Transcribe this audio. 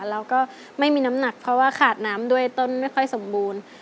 แล้วก็ไม่มีน้ำหนักเพราะว่าขาดน้ำด้วยต้นไม่ค่อยสมบูรณ์